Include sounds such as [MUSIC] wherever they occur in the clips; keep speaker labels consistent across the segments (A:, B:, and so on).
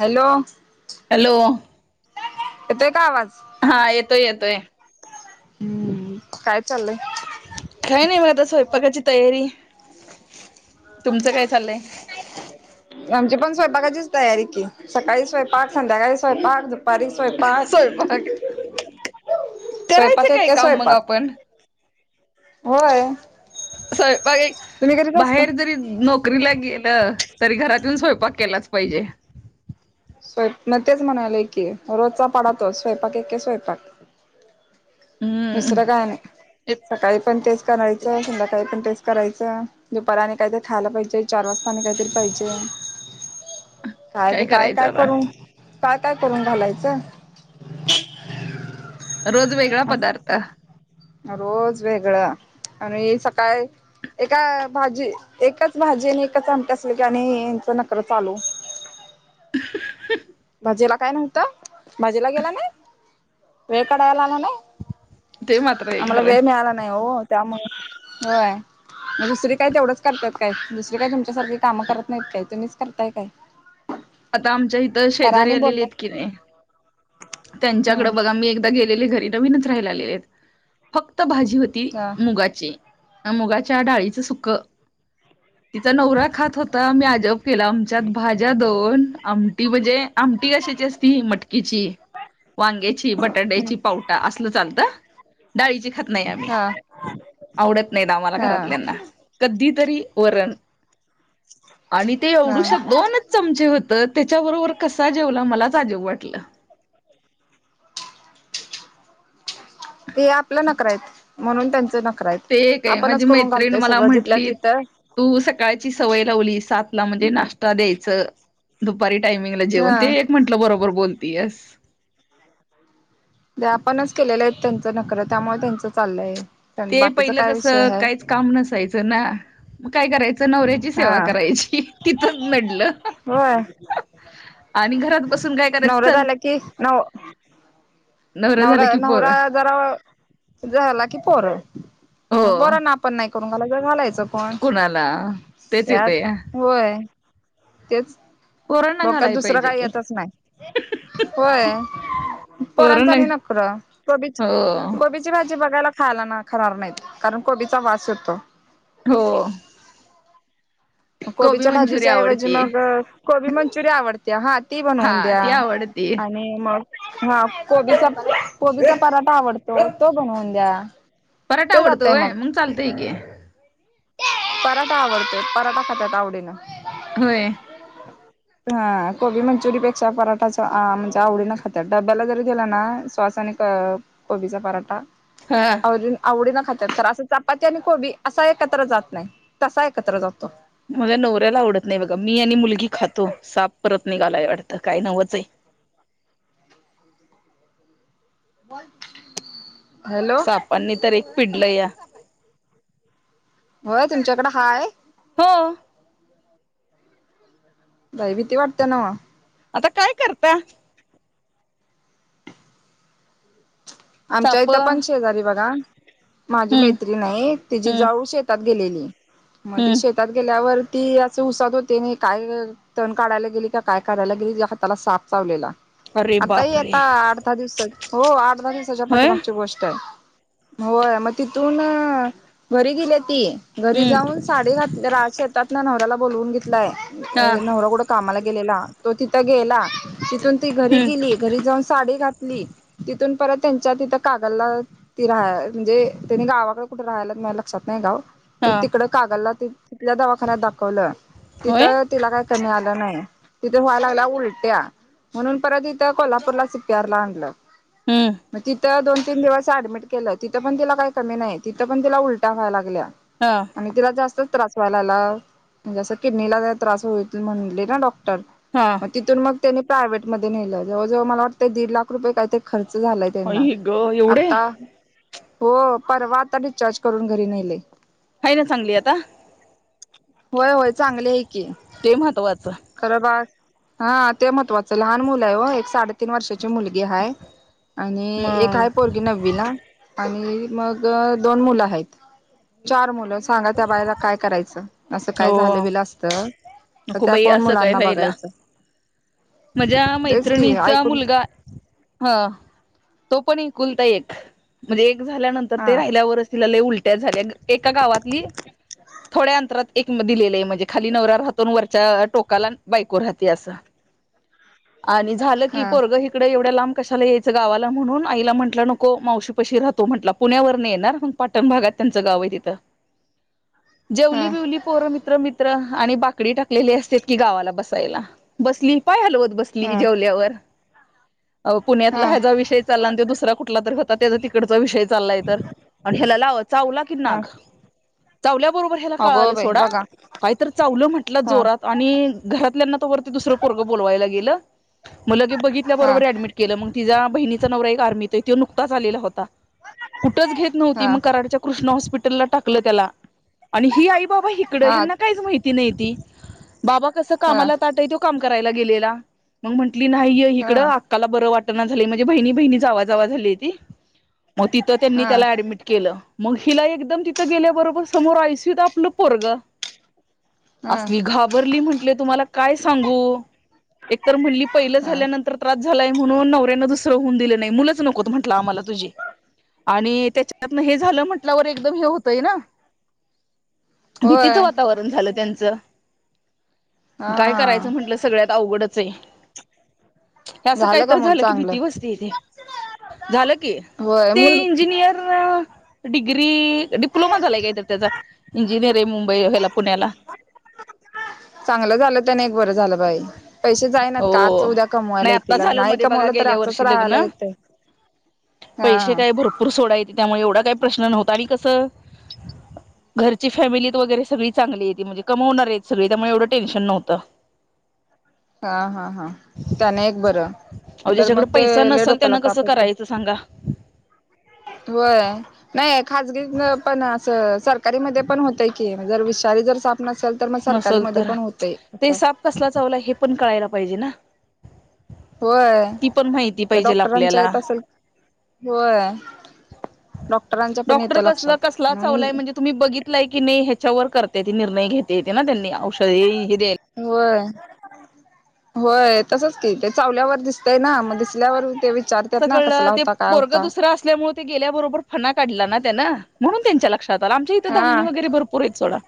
A: Hello
B: hello
A: येतोय का आवाज?
B: हा येतोय येतोय
A: हम्म, काय चाललंय?
B: काही नाही म आता स्वयंपाकाची तयारी. तुमचं काय चाललंय?
A: आमची पण स्वयंपाकाचीच तयारी की सकाळी स्वयंपाक संध्याकाळी स्वयंपाक दुपारी स्वयंपाक
B: स्वयंपाक
A: स्वयंपाक
B: करायचं काय
A: एके
B: काम मग
A: स्वयंपाक
B: आपण?
A: होय
B: स्वयंपाक एक
A: तुम्ही करीत असता
B: बाहेर जरी नोकरीला गे ला तर तरी घरात येऊन स्वयंपाक केलाच पाहिजे.
A: स्वय न तेच म्हणाले की रोजचा पाढा तोच स्वयंपाक एक स्वयंपाक
B: हम्म
A: दुसरं काही नाही सकाळी पण तेच करायचा, संध्याकाळी पण तेच करायचं दुपारी आणि खायला पाहिजे चार वाजता आणि काहीतरी पाहिजे. काय ब काय
B: करायचं
A: काय करू?
B: आता
A: काय-काय करून घालायचं?
B: रोज वेगळा
A: असं
B: पदार्थ.
A: रोज वेगळं आणि सकाळी एका भाजी, एकच भाजी आणि एकच आमट्या असलं की आणि यांचा नकार चालू.
B: ह ह
A: भाजीला काय नव्हतं भाजीला गेला ना वेळ काढायला आला नाय.
B: ते मात्र आहे
A: आम्हाला
B: खरं
A: वेळ मिळाला नाही हो त्यामुळे होय. मग दुसरी काय तेवढंच करतायत काय दुसरी काही तुमच्यासारखं कामं करत नाहीत काय तुम्हीच करताय काय?
B: आता आमच्या हिथ
A: करा
B: शेजारी
A: आणि
B: आलेली आहेत
A: बोलणार
B: की नाही त्यांच्याकडे
A: हम्म
B: बघा मी एकदा गेलेले घरी नवीनच राहियला आलेले आहेत फत भाजी होती
A: हा
B: मुगाची मुगाच्या डाळीचं सुकं तिचा नवरा खात होता मी आजब केला आमच्यात भाज्या देऊन आमटी म्हणजे आमटी कशाची असती मटकीची वांग्याची बटाट्याची पावटा असलं चालतं डाळीची खात नाही आम्ही
A: हा
B: आवडत नाही द आम्हाला
A: हा
B: घरातल्याना कधी तरी वरण
A: ह
B: आणि ते एवढुश्या दोन
A: ते आपलं नकरा आहेत म्हणून त्यांचा न
B: ते काय माझी मैत्रिणी मला
A: जिथल्या
B: म्हंटली
A: तिथं
B: तू सकाळची सवय लावली सात ला म्हणजे नाश्ता द्यायच दुपारी टायमिंगला जेवण
A: हा
B: ते एक म्हटलं बरोबर बोल पी एस
A: द आपणच केलेलं आहेत त्यांचा नकरा त्यामुळे त्यांचा चाललंय. पण
B: ते
A: बाकीचा
B: पहिलं
A: काय विषय
B: कसं
A: आहे
B: काहीच काम नसायचं ना मग काय कराय चं नवऱ्याची
A: हा
B: सेवा करायची तिथच नडलं
A: होय
B: आणि घरात बसून काय करायचं
A: नवरा
B: चल
A: झाला की नव
B: झाला
A: नवरा
B: की पोर
A: नवरा जरा झाला की प मग
B: हो
A: बरं ना आपण नाही करून घालाय घालायचं. पण
B: कुणाला तेच
A: त्यात
B: येतय
A: होय तेच
B: पोरांना
A: डोक्यात
B: घालाय
A: दुसरं
B: पाहिजे
A: काही
B: की
A: येतच नाही होय. पोरांचा
B: पोरांना
A: आणि नकरा
B: हो
A: कोबीची कोबीची भाजी बघायला खायला ना खरार नाहीत कारण कोबीचा वास येतो.
B: हो. गोबी
A: कोबीच्या
B: मंचुरी
A: भाजीच्याऐवजी
B: आवडते
A: मग कोबी मंचुरिया आवडते हा ती
B: हा
A: बनवून द्या.
B: ती आवडते
A: आणि मग हा कोबीचा कोबीचा पराठा आवडतो तो बनवून द्या.
B: पराठा
A: ते
B: आवडतोय
A: जातय मग
B: होय मंग चालतय की,
A: पराठा आवडतो पराठा खात्यात आवडीन.
B: होय.
A: हा कोबी मंचुरीपेक्षा पराठाच आ म्हणजे आवडीन खात्यात डब्याला जरी दीला ना सॉस आणि क कोबीचा पराठा
B: हा
A: अवडी आवडीन खात्यात तर असं चपाती आणि कोबी असा एकत्र जात नाही तसा ए कत्र जातो.
B: मझ्या नवऱ्याला आवत नाय बघा मी आणि मुलगी खात खातो साप परत निघालाय वाटत काय नवच ये.
A: बोल
B: सापांनी तर एक पिडलं या
A: होय तुमच्याकड हाय
B: हो
A: बाई भीती वाटते नव्ह.
B: आता काय करता.
A: आमच्या
B: साप
A: इथं पण
B: हम्म
A: शेजारी बघा माझी मैत्री हाय तिजी
B: हम्म
A: जाऊ शेतात गेलेली म ती
B: हम्म
A: शेतात गेल्यावर ती असं उसात होती नी काय तण काढायला गेली का काय काढायला गेली तिच्या हाताला साप चावलेला.
B: अरे
A: आता ई
B: बापरे
A: आता आठदहा दिवसाची होय आठदहा दिवसाच्या पाठी
B: होय
A: मागची गोष्ट आहे. होय मग तिथून घरी गेल्या ती घरी
B: हम्म
A: जाऊन साडी घात रा शेतातना नवराऱ्याला बोलवून घेतलय
B: हा
A: नवरा कुठं कामाला गेलेला तो तिथ गेला तिथून ती घरी
B: हम्म
A: गेली घरी जाऊन साडी घात ली तिथून परत त्यांच्या तिथं कागलला ती राहा म्हणजे त्यांनी गावाकड कुठ राहायला माझ्या लक्षात नाही गाव ते
B: हा
A: तिकडं कागलला तिथं तिथल्या दवाखान्यात दाखवलं.
B: होय
A: तिथं तिला काय कमी आलं नाही. तिथे व्हायला लागला उलट्या म्हणून परत इथं कोल्हापूरला सि पी आर ला आणलं.
B: हम्म
A: मग तिथं दोन तीन दिवस ऍडमिट केलं तिथ पण तिला काय कमी नाय तिथं पण तिला उलट्या व्हायला लागल्या.
B: हा
A: आणि तिला जास्तचं त्रास व्हायला लागला म्हणजे अस किडनीला त्रास होईत म्हणले ना डॉक्ट टर
B: हा
A: मग तिथून मग त्यांनी प्रायवव्हेट मध्ये नेल जवळ जवळ मला वाटतं दीड लाख रुपये काय तरी खर्च झालाय त्यांना
B: आई ग एवढे
A: आता हो परवा आता डी चार्ज करून घरी नेलय.
B: हाय न चांगली आता.
A: होय होय चांगले आहे की
B: ते महत्वाचं
A: खर बाळ हा ते महत्त्वाचं लहान मुल आहे व एक साडेतीन वर्षा ची मुलगी आहे आणि एक
B: मग
A: आहे पोरगी नववीला. आणि मग दोन मुलं आहेत चार मुलं सांगा त्या बाईला काय करायचं. असं
B: हो
A: काय झालं बिल असत तर
B: नको
A: त्या
B: बाई
A: कोण
B: असं काय
A: मुलांना
B: व्हायला
A: बघायचं.
B: माझ्या
A: तेच की
B: मैत्रिणीचा
A: ऐकून
B: मुलगा ह तो पण एक कुलता एक म्हणजे एक झाल्यानंतर
A: हा
B: ते राहिल्यावरच तिला लय उल ट्या झाल्या एका गावातली थोड्या अंतरात एक दिलेलं आहे म्हणजे खाली नवरा राहतो न वरच्या टोकाला बायको राहते असं आणि झालं की
A: हा
B: पोरग इकड एवढ्या लांब कशाला याय गावाला म्हणून आईला म्हटलं नको मावशी पाशी राहतो म्हटला पुण्यावर येणार मग पाटण भागात त्यांच गाव ये. तिथं जेवली
A: हा
B: बिवली पोरं मित्र मित्र आणि बाकडी टाकलेले असते की गावाला बसायला बसली पाय हलवत बसली की
A: हा
B: जेवल्यावर पुण्यातला हा जा विषय चालला आणि तो दुसरा कुठ ला तर होता त्या तिकडचा विषय चाललाय चावला कि
A: हा
B: नाग चावल्याबरोबर हयाला कळाळ
A: अगो बाई बघा
B: काही तर चावलं म्हटलं
A: हा
B: जोरात आणि घरातल्यांना त वरती दुसरं पोरगं बोलवायला गेलं मग लगे बघितल्या
A: हा
B: बरोबर ऍडमिट केलं मग तिचा बहिणीचा नवरा एक आर्मीत तो नुकताच आलेला होता. कुठच घेत नव्हती
A: हा हा
B: कराडच्या कृष्ण हॉपिटलला टाकल त्याला आणि ही आई बाबा इकडे
A: हा
B: त्यांना इकडे काहीच माहित नव्हतं बाबा कसं कामाला ताठ हाय ती करायला गेलेला मग म्हटली नाही इकडं
A: हा
B: अक्काला बरं वाट बहिणी बहिणी जावा झाल्याती मग तिथे त्याला त्यांनी
A: हा
B: ऍडमिट केलं. हिला एकदम तिथं गेल्याबरोबर समोर आयसीयुत आपल तर आपलं पोरग
A: हा
B: असली घाबरली म्हंटले तुम्हाला काय सांगु एक तर म्हणली पहिलं
A: हा
B: झाल्यानंतर त्रास झालाय म्हणून नवऱ्यानं दुसरं होऊन दिलं नाही मुलंच नकोत म्हटलं आम्हाला तुझे आणि त्याच्यातन हे झालं म्हंटल्यावर एकदम हे होतंय ना भीतीचं
A: होय.
B: वातावरण झालं त्यांचं काय
A: हा
B: करायचं म्हंटलं सगळ्यात अवघडच आहे. असं काहीत
A: का मूल
B: झालं की
A: चांगलं
B: भीती बसते इथे. झालं की
A: होय
B: ते
A: मूल
B: इंजिनियर डिग्री डिप्लोमा झालाय का तर त्याचा इंजिनिअरिंग मुंबई हयाला पुण्याला
A: बा पैसे जायनात का आज
B: हो
A: उद्या कमवायला
B: नाही आत्ता
A: येतील आणि
B: झालं
A: नाही
B: मध्ये बघा
A: कमवलं तर
B: गेल्या
A: असंच
B: वर्षी
A: राहायला
B: लग्न
A: येतं.
B: पैसे काय भरपूर सोडायेत त्यामुळे एवढा काही प्रश्न नव्हता आणि कसं घरची फॅमिलीत वगैरे सगळी चांगली ये म्हणजे कमवणार आहेत सगळी त्यामुळे एवढं टेन्शन नव्हतं.
A: हा हा हा त्याने एक बरं
B: अहो
A: तर
B: ज्याच्याकडे
A: मग ते
B: पैसा
A: लय
B: नसेल
A: डोक्याला
B: त्यांना कसं
A: ताप होते
B: करायचं सांगा
A: होय नाही खजगी पण असं सरकारी मध्ये पण होतय की जर वि सरकारी नसेल तर मग सरकार
B: नसल
A: मध्ये
B: तर
A: पण होत
B: ते
A: असं
B: साप कसला चावला हे पण कळायला पाहिजे ना
A: होय
B: ती पण माहिती
A: तर
B: पाहिजेल
A: डॉक्टरांच्या
B: आपल्याला
A: येत असेल होय डॉक्टरांच्या पण
B: डॉक्टर
A: येत्या
B: कसं कसला
A: लक्षात
B: चावलाय म्हणजे तुम्ही बघितलाय की नाही ह्याच्यावर करतात निर्णय घेत येते ना त्यांनी औषधी हे दयायला
A: होय होय तसच कि ते चावल्यावर दिसतय ना मग दिसल्यावर ते
B: असं
A: विचारतात ना
B: कळलं
A: कसला
B: ते
A: होता काय
B: पोरग
A: होता
B: दुसरा असल्यामुळे ते गेल्याबरोबर फना काढला ना त्यानं म्हणून त्यांच्या लक्षात आमच्या इथं
A: हा
B: धामणी वैगरे भरपूर आहेत सोडा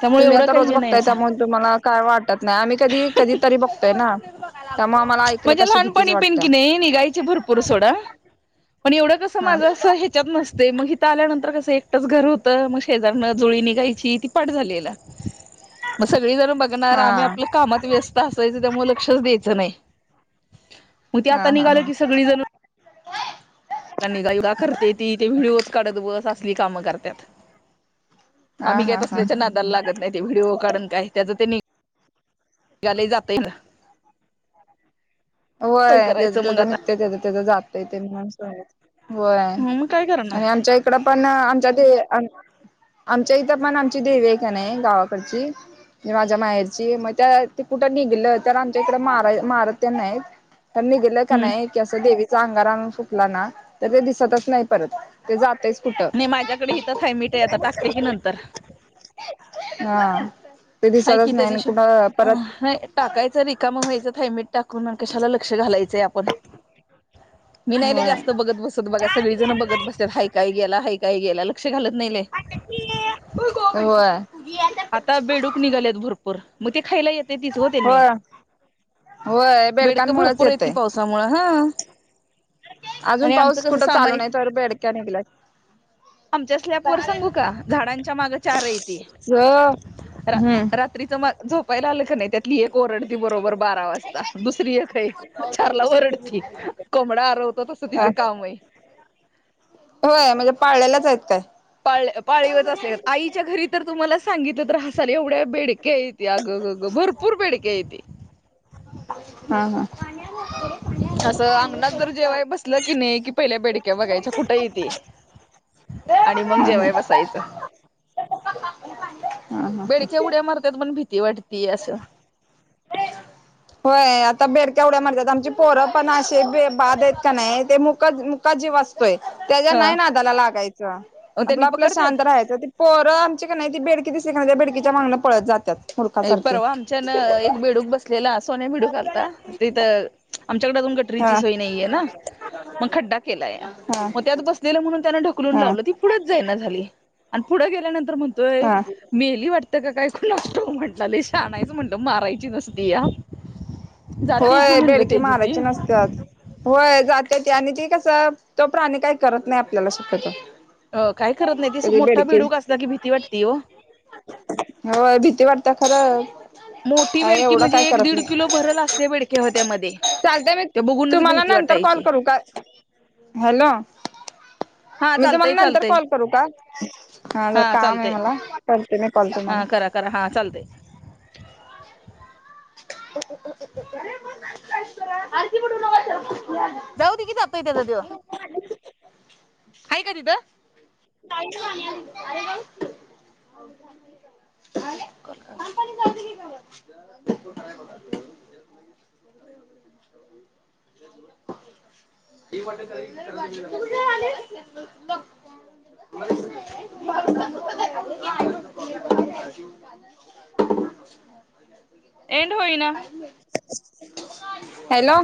B: त्यामुळे
A: तुम्ही
B: एवढं
A: आता
B: काही
A: रोज
B: हे नाही
A: बघताय त्या
B: असं
A: म्हणून तुम्हाला काय वाटतं नाही आम्ही कधी कधी तरी बघतोय ना? त्यामुळे आम्हाला ऐकलं की
B: म्हणजे
A: अशी भीतीच
B: लहानपणी पिन
A: वाटत्या
B: की नाही निघायची भरपूर सोडा पण एवढं कसं
A: हा
B: माझं असं ह्याच्यात नसते मग इथं आल्यानंतर कसं एकटच घर होत मग शेजारनं जुळी निघायची ती पाठ झालीला मग सगळी जण बघणार आम्ही
A: हा
B: आपल्या कामात व्यस्त असायचं त्यामुळे लक्षच द्यायचं नाही मग ते आता
A: हा हा
B: निघाल की सगळी जण आपला निगायुगा करते ती ते व्हिडिओच काढत बस असली कामं करतात
A: हा हा
B: आम्ही काय
A: हा हा
B: तसल्याच्या नादाला लागत नाही ते व्हिडिओ काढून काय त्याच ते निघाले जात
A: होय त्याच त्याच निघतय त्याच त्याच जात येत म्हणून होय
B: मग काय करणार
A: आणि आमच्या इकडं पण आमच्या ते आमच्या इथं पण आमची देवी आहे का नाही गावाकडची म्हणजे माझ्या माहेरची मग त्या ते कुठं निघलं तर आमच्या इकडं मार मारत त्यां नाहीत निघल कि
B: हम्म
A: नाही असं देवी अंगारा आनुन फुकला ना तर ते दिसतच नाही परत ते जातेच
B: नाही माझ्याकडे इथं इथेच मिठ आहे आता टाकते कि नंतर
A: हा. ते
B: हाय कि
A: दिसतच
B: त्या
A: नाही
B: दिवशी
A: कुठं परत
B: टाकायचं रिकाम व्हायचं थाैमीट टाकून कशाला लक्ष घालायचंय आपण. मी नाही
A: होय
B: जास्त बघत बसत बघा सगळीजण बघत बसतात हय काय गेला हय काय गेला लक्ष घालत नाही लइ
A: होय
B: आता बेडूक निघालेत भरपूर. मग ते खायला येते तिच हो त्यांनी
A: होय होय
B: बेडकं
A: बेडकांमुळेच
B: भरपूरेत की
A: येतय
B: पावसामुळे ह.
A: अजून पाऊस कुठं चालू
B: सामायिक
A: नाही तर अ बेडक्या निघलय.
B: आमच्या स्लॅप वर सांगू का झाडांच्या माग चारेयती.
A: सठ [INAUDIBLE]
B: रात्रीच मग झोपायला आलं का नाही त्यातली एक ओरडती बरोबर बारा वाजता दुसरी एक खही. आरवतो तसं
A: ह
B: तिचं काम आहे
A: [INAUDIBLE] होय म्हणजे पाळलेलाच मरत.
B: पाळ पाळीवच असले आईच्या घरी तर तुम्हाला सांगितल तर हसाल एवढ्या बेडक्या येत अगं गग भरपूर बेडक्या येत.
A: हा ह.
B: असं अंगणात जर जेव्हाय बसलं की नाही कि पहिल्या बेडक्या बघायच्या कुठेय ते. आणि मग
A: हा हा
B: जेवाय बसायचं.
A: हा हा हा
B: बेडक्या उड्या मारतात पण भीती वाटती जास्त.
A: होय आता बेडक्या उढ्या मारतात आमची पोरं पण असे बाधेत का नाही ते मुक मुका जीव अतोय. त्याच्या
B: हा
A: नाही नादाला लागायचं
B: मग त्यांनी
A: आपलं आपलं शांत
B: पकडतात
A: राहायच ती पोरं आमची का नाही ती बेड कि सक भिडची [UNINTELLIGIBLE]
B: अ परवा आमच्यान एक बेडूक बसलेलास सोन्या बेडूक आलता तिथ आमच्याकडे अजून गटरीची
A: हा
B: सोय नाहीये ना. मग खड्डा केलाय
A: हा
B: मग त्यात बसलेलं म्हणून त्यान ढकलून
A: हा
B: लावलं ती पुढेच जाईना झाली. आण पुढं गेल्यानंतर म्हणतोय
A: हा
B: मेली वाटतं काय कुणास ठाऊक म्हटला लई शानायेचं म्हणत मारायची नसती या. जाते की
A: होय
B: म्हणलं
A: बेडकी
B: त्याची ती
A: मारायचे नसतात. होय जात आणि ते कस तो प्राणी काही करत नाही आपल्याला शक्यतो.
B: अ काय करत नाही ति
A: कधी
B: मोठा
A: बेडकी
B: बिडूक असला की भीती वाटती ओ.
A: हो भीती वाटत खरं.
B: मोठी
A: काय
B: बेडकी म्हणजे एक दीड किलो भरल असले बेडकी.
A: चालते मी तुम्हाला
B: भीती
A: नंतर कॉल
B: वाटायची
A: करू का? हॅलो.
B: हा
A: मी तुम्हाला
B: चालतंय
A: नंतर
B: चालतंय
A: कॉल करू का? हा जर कामे मला. करते मी कॉल
B: हा
A: तुम्हाला
B: करा करा हा चालते.
A: आ [UNINTELLIGIBLE] पठ न वा
B: जाऊ दे कि जातो त्याच्या तो आहे का तिथं.
A: काय अरेव [UNINTELLIGIBLE] अरे का [UNINTELLIGIBLE]
B: [INAUDIBLE]
A: वा आ [UNINTELLIGIBLE] [UNINTELLIGIBLE] [INAUDIBLE]
B: एंड होई ना.
A: हॅलो.